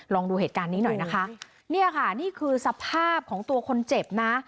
ลองดูเหตุการณ์นี้หน่อยนะคะเนี่ยค่ะนี่คือสภาพของตัวคนเจ็บนะ